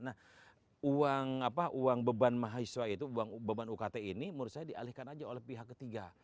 nah uang beban mahasiswa itu beban ukt ini menurut saya dialihkan aja oleh pihak ketiga